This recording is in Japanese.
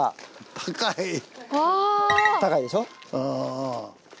高いでしょ。